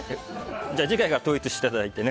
次回から統一していただいてね。